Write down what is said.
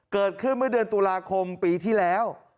เกิดขึ้นเมื่อเดือนตุลาคมปีที่แล้ว